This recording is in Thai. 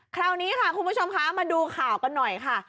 คราวนี้ค่ะคุณผู้ชมคะมาดูข่าวกันหน่อยค่ะ